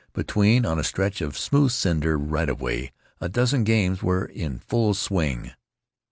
Between, on a stretch of smooth cinder right of way, a dozen games were in full swing.